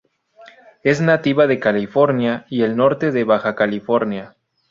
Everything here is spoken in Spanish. Es nativa de California y el norte de Baja California.